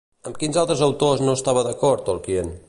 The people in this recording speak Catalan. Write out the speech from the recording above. Amb quins altres autors no estava d'acord Tolkien?